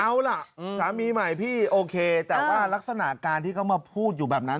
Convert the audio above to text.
เอาล่ะสามีใหม่พี่โอเคแต่ว่ารักษณะการที่เขามาพูดอยู่แบบนั้น